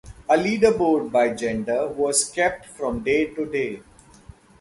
A leaderboard by gender was kept from day-to-day.